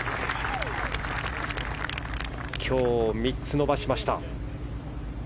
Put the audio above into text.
今日３つ伸ばしました。